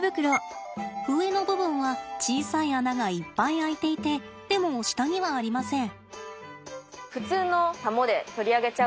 上の部分は小さい穴がいっぱい開いていてでも下にはありません。